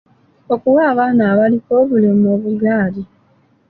Okuwa abaana abliko obulemu obugaali.